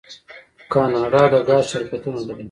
کاناډا د ګاز شرکتونه لري.